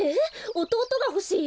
「おとうとがほしい」？